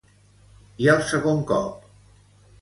I el segon cop?